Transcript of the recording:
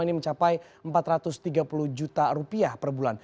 ini mencapai empat ratus tiga puluh juta rupiah per bulan